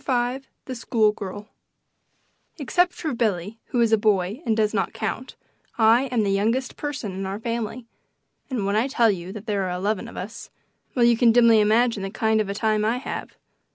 V. THE SCHOOL GIRL, by Elizabeth Jordan Except for Billy, who is a boy and does not count, I am the youngest person in our family; and when I tell you that there are eleven of us well, you can dimly imagine the kind of a time I have.